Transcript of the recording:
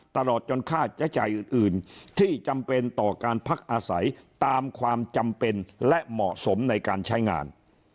ตลอดจนค่าใช้จ่ายอื่นที่จำเป็นต่อการพักอาศัยตามความจำเป็นและเหมาะสมในการใช้งาน